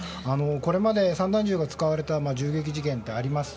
これまで散弾銃が使われた銃撃事件ってあります。